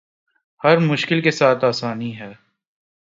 ہر مشکل کے ساتھ آسانی ہے